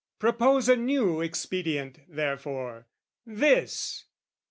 Propose a new expedient therefore, this!